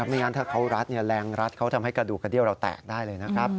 ไม่งั้นถ้าเขารัดแรงรัดเขาทำให้กระดูกกระเดี้ยวเราแตกได้เลยนะครับ